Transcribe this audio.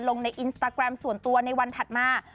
ลงในอินสตาแกรมส่วนตัวในวันถัดมา